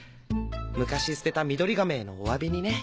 昔捨てたミドリガメへのお詫びにね。